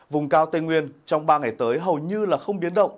vùng cao tây nguyên trong ba ngày tới hầu như không biến động